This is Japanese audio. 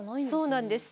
そうなんです。